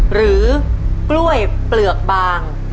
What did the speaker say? หรือกล้วยเปลือกบาง